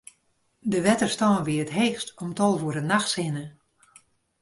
De wetterstân wie it heechst om tolve oere nachts hinne.